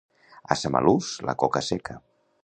A Samalús, la coca seca.